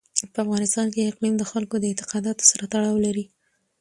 په افغانستان کې اقلیم د خلکو د اعتقاداتو سره تړاو لري.